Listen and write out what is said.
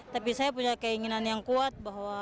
tapi saya punya keinginan yang kuat bahwa